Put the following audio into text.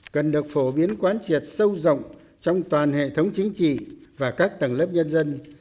cần được phổ biến quán triệt sâu rộng trong toàn hệ thống chính trị và các tầng lớp nhân dân